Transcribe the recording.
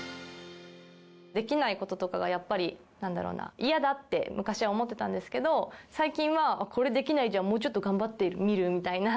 できないこととかがやっぱり、なんだろうな、嫌だって昔は思ってたんですけど、最近はこれできないじゃん、もうちょっと頑張ってみる？みたいな。